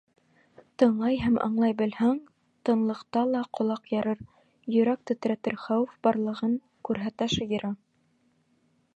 Тыңлай һәм аңлай белһәң, тынлыҡта ла ҡолаҡ ярыр, йөрәк тетрәтер хәүеф барлығын күрһәтә шағирә.